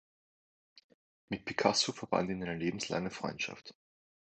Mit Picasso verband ihn eine lebenslange Freundschaft.